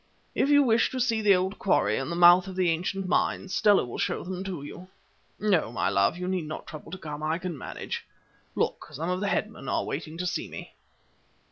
If you wish to see the old quarry and the mouth of the ancient mines, Stella will show them to you. No, my love, you need not trouble to come, I can manage. Look! some of the headmen are waiting to see me."